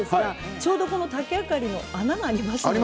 ちょうど竹あかりの穴があります。